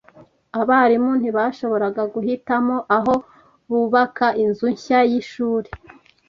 Abarimu ntibashoboraga guhitamo aho bubaka inzu nshya yishuri.